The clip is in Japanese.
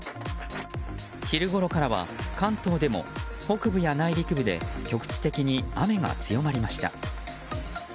昼頃からは関東でも北部や内陸部で局地的に雨が強まりました。